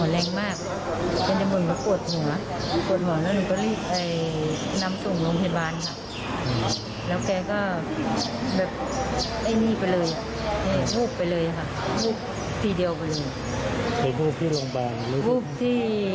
และก็รีบนำตัวส่วนผู้พิบัติ